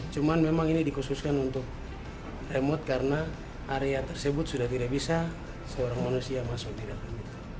cuman memang ini dikhususkan untuk remote karena area tersebut sudah tidak bisa seorang manusia masuk di dalam